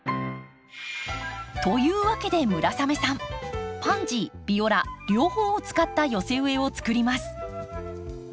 というわけで村雨さんパンジービオラ両方を使った寄せ植えを作ります。